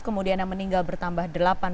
kemudian yang meninggal bertambah delapan puluh enam